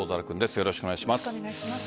よろしくお願いします。